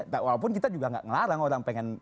walaupun kita juga nggak ngelarang orang pengen